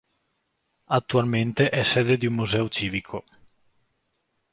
Attualmente è sede di un museo civico.